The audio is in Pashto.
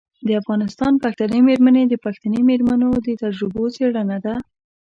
د افغانستان پښتنې میرمنې د پښتنې میرمنو د تجربو څیړنه ده.